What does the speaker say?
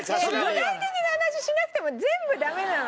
具体的な話しなくても全部ダメなの。